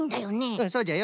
うんそうじゃよ。